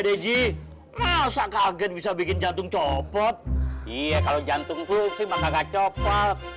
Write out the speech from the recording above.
dj masa kaget bisa bikin jantung copot iya kalau jantung fungsi maka copot